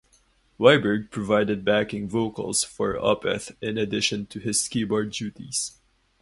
Wiberg provided backing vocals for Opeth in addition to his keyboard duties.